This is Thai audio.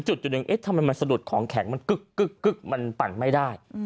จุดทำไมสะดุดของแข็งมันกึกมันปั่นไม่ได้